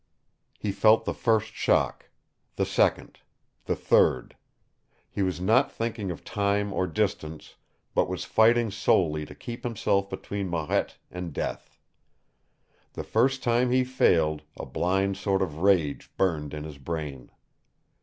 He felt the first shock, the second, the third. He was not thinking of time or distance, but was fighting solely to keep himself between Marette and death. The first time he failed, a blind sort of rage burned in his brain.